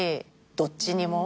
どっちにも。